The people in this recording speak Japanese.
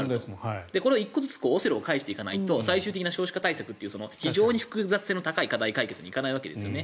これは１個ずつオセロを返していかないと最終的な少子化対策という非常に複雑性の高い課題解決に行かないわけですよね。